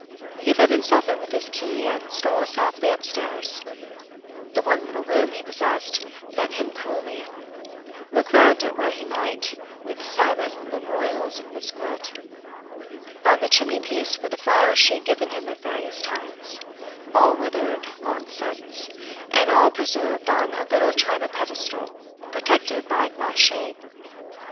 He let himself in with his key, and stole softly upstairs. The one little room he possessed met him cruelly, look round it where he might, with silent memorials of Miss Gwilt. On the chimney piece were the flowers she had given him at various times, all withered long since, and all preserved on a little china pedestal, protected by a glass shade.